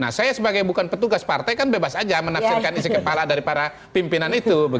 nah saya sebagai bukan petugas partai kan bebas aja menafsirkan isi kepala dari para pimpinan itu